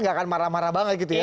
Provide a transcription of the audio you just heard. gak akan marah marah banget gitu ya